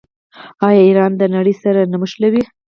آیا ایران د نړۍ سره نه نښلوي؟